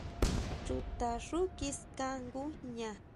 Chuta xú kiskan ngujña.